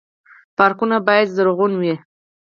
پارکونه باید زرغون وي